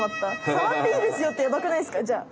さわっていいですよってやばくないですかじゃあ。